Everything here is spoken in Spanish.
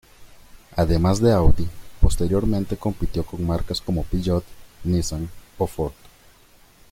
Además de Audi, posteriormente compitió con marcas como Peugeot, Nissan, o Ford.